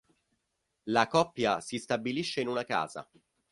La coppia si stabilisce in una casa.